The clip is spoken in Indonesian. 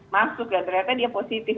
masuk dan ternyata dia positif